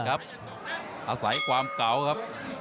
อาศัยความเก่าครับ